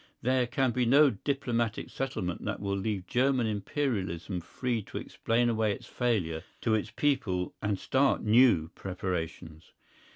There can be no diplomatic settlement that will leave German Imperialism free to explain away its failure to its people and start new preparations.